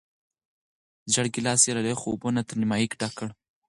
زېړ ګیلاس یې له یخو اوبو نه تر نیمايي ډک کړ.